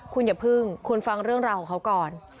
คุณอย่าพึ่งคุณฟังเรื่องราวของเขาก่อน